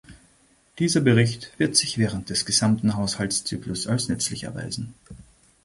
Dieser Bericht wird sich während des gesamten Haushaltszyklus als nützlich erweisen.